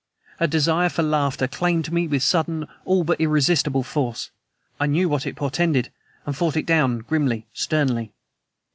A desire for laughter claimed me with sudden, all but irresistible force. I knew what it portended and fought it down grimly, sternly.